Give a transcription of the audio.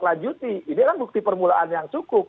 lanjuti ini kan bukti permulaan yang cukup